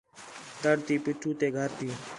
تڑ تی پیٹھو تے گھر تی